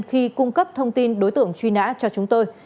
khi cung cấp thông tin đối tượng truy nã cho chúng tôi